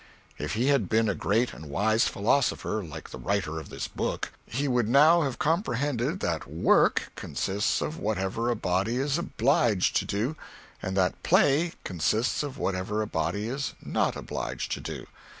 If he had been a great and wise philosopher, like the writer of this book, he would now have comprehended that Work consists of whatever a body is obliged to do, and that Play consists of whatever a body is not obliged to do.